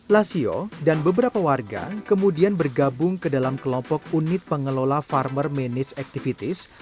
lasio dan beberapa warga kemudian bergabung ke dalam kelompok unit pengelola farmer manage activities